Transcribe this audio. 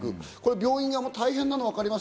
病院側も大変なのは分かります。